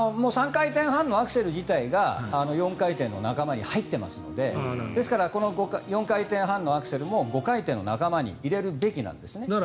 ３回転半のアクセル自体が４回転の仲間に入ってますのでですから４回転半のアクセルも５回転の仲間に入れるべきなんですね。